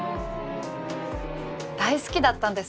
大好きだったんです